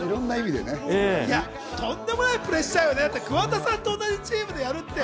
とんでもないプレッシャーよね、だって桑田さんと同じチームでやるなんて。